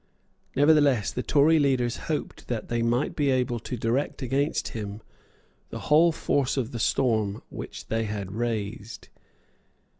Nevertheless, the Tory leaders hoped that they might be able to direct against him the whole force of the storm which they had raised.